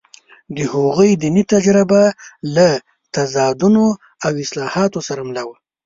د هغوی دیني تجربه له تضادونو او اصلاحاتو سره مله وه.